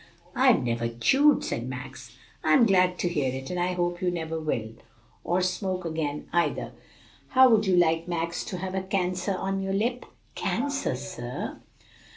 "I've never chewed," said Max. "I'm glad to hear it, and I hope you never will, or smoke again either. How would you like, Max, to have a cancer on your lip?" "Cancer, sir?